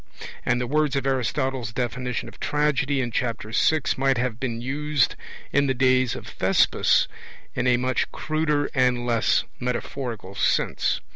And the words of Aristotle's definition of tragedy in Chapter VI might have been used in the days of Thespis in a much cruder and less metaphorical sense.